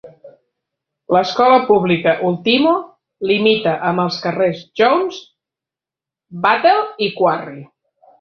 L'escola pública Ultimo limita amb els carrers Jones, Wattle i Quarry.